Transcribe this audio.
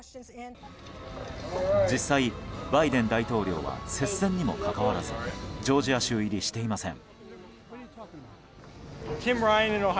実際、バイデン大統領は接線にもかかわらずジョージア州入りしていません。